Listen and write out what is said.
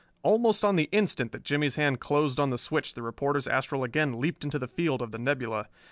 Almost on the instant that Jimmie's hand closed on the switch the reporter's astral again leaped into the field of the nebula.